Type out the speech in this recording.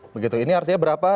begitu ini artinya berapa